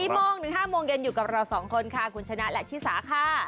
โมงถึง๕โมงเย็นอยู่กับเรา๒คนค่ะคุณชนะและชิสาค่ะ